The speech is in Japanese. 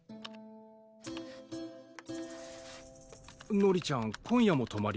のりちゃん今夜もとまり？